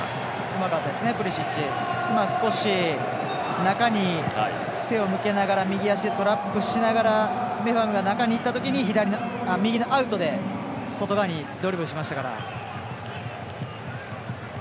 今、プリシッチ少し中に背を向けながらトラップしながらメファムが中にいったときに右のアウトで外側にドリブルしましたから。